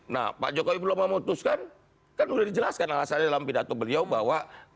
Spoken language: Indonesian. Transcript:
nah pak jokowi belum memutuskan kan sudah dijelaskan alasannya dalam pidato beliau bahwa